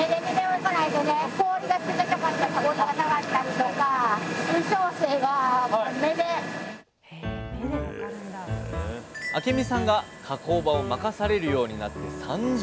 その日の更に明美さんが加工場を任されるようになって３０年。